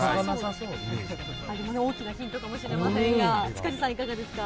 それも大きなヒントかもしれませんが、塚地さん、いかがですか。